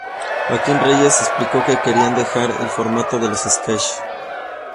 Joaquín Reyes explicó que querían dejar el formato de los sketches.